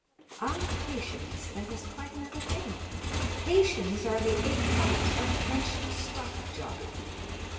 "Ah, Haitians,—that is quite another thing! Haitians are the écarté of French stock jobbing.